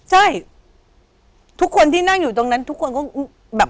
ใช่ทุกคนที่นั่งอยู่ตรงนั้นทุกคนก็แบบ